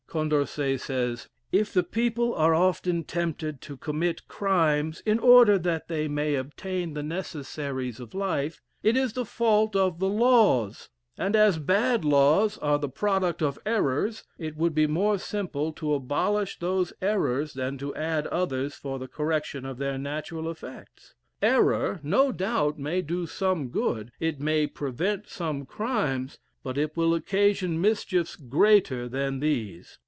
Condorcet says, "If the people are often tempted to commit crimes in order that they may obtain the necessaries of life, it is the fault of the laws; and, as bad laws are the product of errors, it would be more simple to abolish those errors than to add others for the correction of their natural effects. Error, no doubt, may do some good; it may prevent some crimes, but it will occasion mischiefs greater than these.